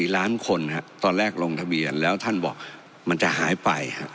ล้านคนครับตอนแรกลงทะเบียนแล้วท่านบอกมันจะหายไป